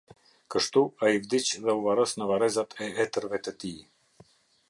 Kështu ai vdiq dhe u varros në varrezat e etërve të tij.